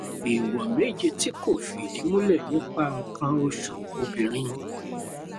Èèwọ̀ méje tí kò fi ìdí múlẹ̀ nípa nǹkan oṣù obìnrin.